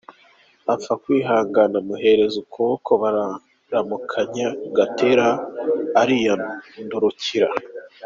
Apfa kwihangana amuhereza ukuboko bararamukanya, Gatera ariyandurukira.